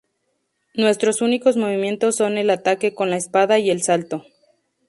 Nuestros únicos movimientos son el ataque con la espada y el salto.